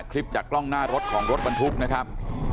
คลิปจากกล้องหน้ารถของรถบรรทุกนะครับ